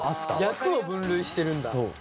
役を分類してるんだ。